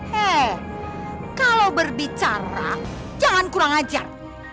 hei kalau berbicara jangan kurang ajar